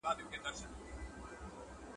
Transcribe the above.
په ټولنه کي دود او رواج ته درناوی وکړئ.